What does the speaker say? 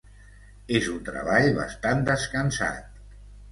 És un treball bastant descansat.